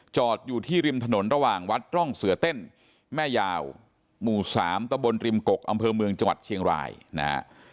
จอดอยู่ที่ริมถนนระหว่างวัดร่องเสือเต้นแม่ยาวหมู่๓ตะบนริมกกอำเภอเมืองจังหวัดเชียงรายนะฮะ